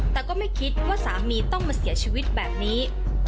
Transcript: แต่ก็ไม่คิดว่าสามีต้องมาเสียชีวิตแบบนี้